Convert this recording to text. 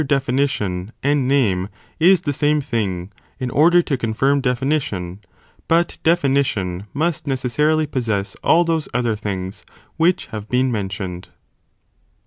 definition, and name, is the same thing, in order to confirm definition ; but definition must necessarily possess all those' other things which have been mentioned.